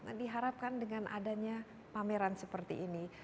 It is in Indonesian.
nah diharapkan dengan adanya pameran seperti ini